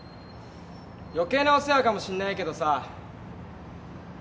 余計なお世話かもしんないけどさ。